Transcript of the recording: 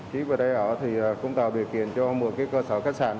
chí về đây ở thì cũng tạo điều kiện cho một cơ sở khách sạn